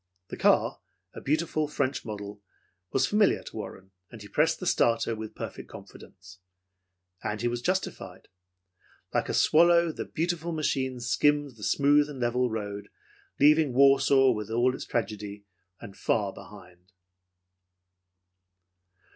The car, a beautiful French model, was familiar to Warren, and he pressed the starter with perfect confidence. And he was justified. Like a swallow, the beautiful machine skimmed the smooth and level road, leaving Warsaw with all its tragedy and far behind.